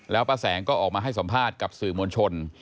แล้วป้าแสงก็ออกมาให้สัมภาษณ์กับสื่อมวลชน